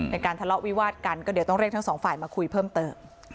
เป็นการทะเลาะวิวาดกันก็เดี๋ยวต้องเรียกทั้งสองฝ่ายมาคุยเพิ่มเติม